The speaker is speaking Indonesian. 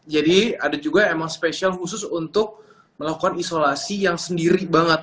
jadi ada juga emang spesial khusus untuk melakukan isolasi yang sendiri banget